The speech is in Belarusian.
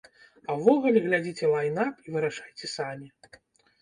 А ўвогуле, глядзіце лайн-ап і вырашайце самі.